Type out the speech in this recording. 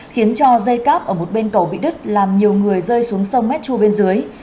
khiến cho dây cắp ở một bên cầu bị đứt làm nhiều người rơi xuống sông métru bên dưới